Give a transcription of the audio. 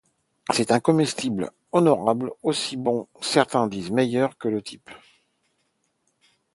C'est un comestible honorable, aussi bon - certains disent meilleur - que le type.